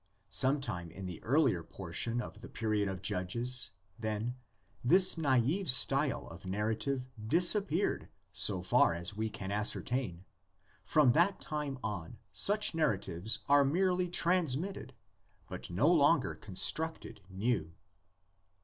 Sometime in the earlier por tion of the period of Judges, then, this naive style of narrative disappeared so far as we can ascertain; from that time on such narratives are merely trans mitted, but no longer constructed new.